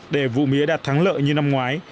để vụ mía đạt thắng lợi như năm ngoái